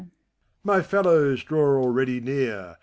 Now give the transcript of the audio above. My fellows draw already near!